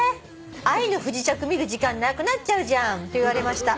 『愛の不時着』見る時間なくなっちゃうじゃんと言われました。